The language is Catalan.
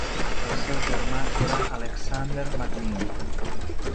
El seu germà era Alexander McNeill.